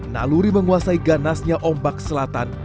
naluri menguasai ganasnya ombak selatan